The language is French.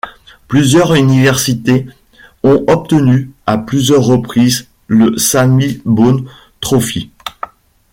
Plusieurs universités ont obtenu à plusieurs reprises le Sammy Baugh Trophy.